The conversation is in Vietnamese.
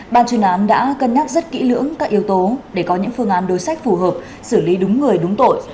ban chuyên án đã cân nhắc rất kỹ lưỡng các yếu tố để có những phương án đối sách phù hợp xử lý đúng người đúng tội